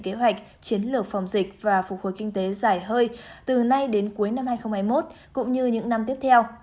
kế hoạch chiến lược phòng dịch và phục hồi kinh tế dài hơi từ nay đến cuối năm hai nghìn hai mươi một cũng như những năm tiếp theo